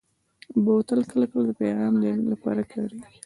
بوتل کله کله د پیغام لېږلو لپاره کارېږي.